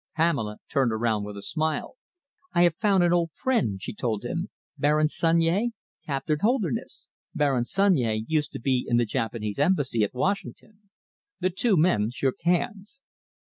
Pamela turned around with a smile. "I have found an old friend," she told him. "Baron Sunyea Captain Holderness. Baron Sunyea used to be in the Japanese Embassy at Washington." The two men shook hands.